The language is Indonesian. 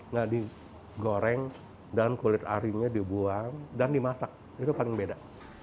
nah digoreng dan kulit arinya dibuang dan dimasak itu paling beda